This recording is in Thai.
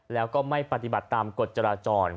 แล้วก็ไม่ปฏิบัติตามกฎจราจร